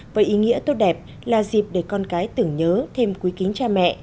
với ý nghĩa tốt đẹp là dịp để con cái tưởng nhớ thêm quý kính cha mẹ